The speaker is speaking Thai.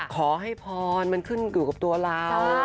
ขอให้พรมันขึ้นอยู่กับตัวเรา